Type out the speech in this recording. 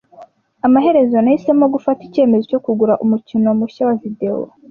Amaherezo, nahisemo gufata icyemezo cyo kugura umukino mushya wa videwo.